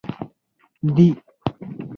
دي